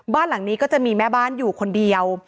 บ้านหลังนี้ก็จะมีแม่บ้านอยู่คนเดียว